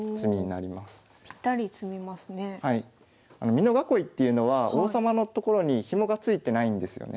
美濃囲いっていうのは王様の所にヒモがついてないんですよね。